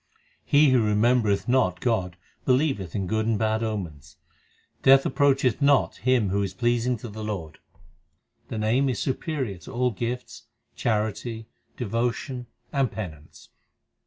He who remembereth not God believeth in good and bad omens. Death approacheth not him who is pleasing to the Lord. The Name is superior to all gifts, charity, devotion, and penance.